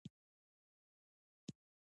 دوی که واک ورکړل شي، سمدستي سوله کوي.